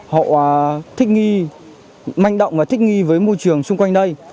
họ thích nghi manh động và thích nghi với môi trường xung quanh đây